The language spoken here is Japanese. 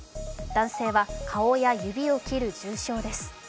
男性は顔や指を切る重傷です。